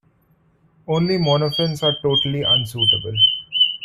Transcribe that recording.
Only monofins are totally unsuitable.